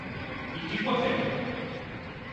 I qui ho ha fet?